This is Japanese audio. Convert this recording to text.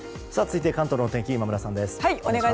続いて、関東のお天気今村さんです。